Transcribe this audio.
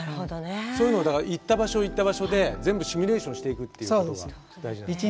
そういうのだから行った場所行った場所で全部シミュレーションしていくっていうことが大事なんですね。